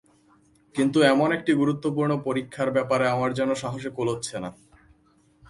কিন্তু এমন একটি গুরুত্বপূর্ণ পরীক্ষার ব্যাপারে আমার যেন সাহসে কুলোচ্ছে না।